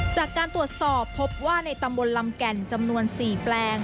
จากการตรวจสอบพบว่าในตำบลลำแก่นจำนวน๔แปลง